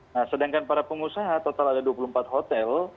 nah sedangkan para pengusaha total ada dua puluh empat hotel